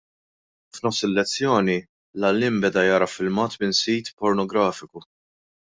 F'nofs il-lezzjoni, l-għalliem beda jara filmat minn sit pornografiku.